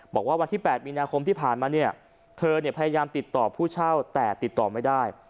วันที่๘มีนาคมที่ผ่านมาเนี่ยเธอพยายามติดต่อผู้เช่าแต่ติดต่อไม่ได้